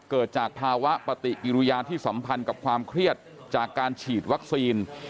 เกิดจากภาวะปฏิกิริยาที่สัมพันธ์กับความเครียดจากการฉีดวัคซีน